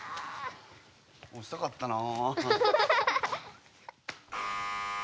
おしたかったな。